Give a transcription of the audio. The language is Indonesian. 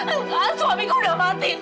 enggak suami aku sudah mati